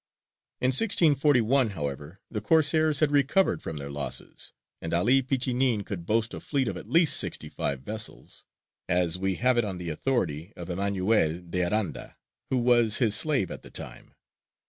In 1641, however, the Corsairs had recovered from their losses, and 'Ali Pichinin could boast a fleet of at least sixty five vessels, as we have it on the authority of Emanuel d'Aranda, who was his slave at the time.